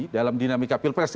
dalam dinamika pilpres